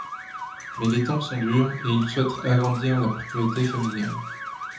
Mais les temps sont durs et il souhaite agrandir la propriété familiale.